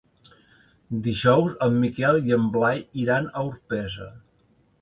Dijous en Miquel i en Blai iran a Orpesa.